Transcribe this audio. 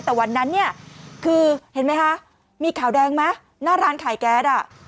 แต่วันนั้นเนี่ยคือเห็นไหมคะมีขาวแดงไหมหน้าร้านขายแก๊สอ่ะ